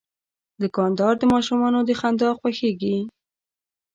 دوکاندار د ماشومانو د خندا خوښیږي.